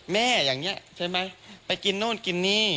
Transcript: แม่อย่างนี้ใช่ไหมไปกินโน่นกินนี่